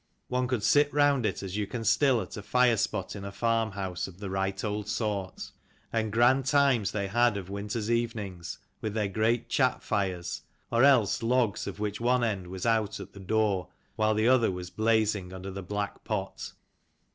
One could sit round it, as you can still at a fire spot in a farm house of the right old sort. And grand times they had of winter's evenings with their great chat fires, or else logs of which one end was out at the door while the other was blazing under the black pot.